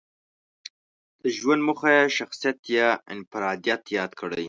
د ژوند موخه یې شخصيت يا انفراديت ياد کړی.